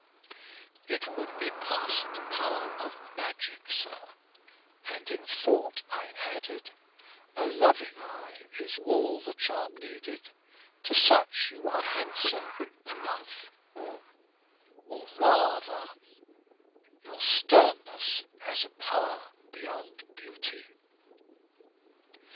"It would be past the power of magic, sir;" and, in thought, I added, "A loving eye is all the charm needed: to such you are handsome enough; or rather your sternness has a power beyond beauty."